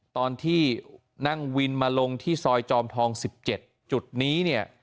ตอนที่นั่งวินมาลงที่ซอยจอมทอง๑๗จุดนี้เนี่ย